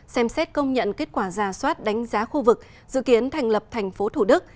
xem xét công nhận kết quả ra soát đánh giá khu vực dự kiến thành lập tp thủ đức